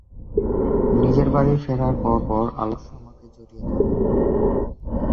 নিজের বাড়িতে ফেরার পরপর আলস্য আমাকে জড়িয়ে ধরল।